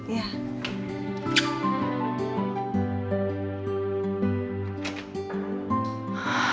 aku tebus obatnya elsa dulu deh